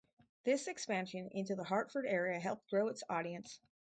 This expansion into the Hartford area helped grow its audience.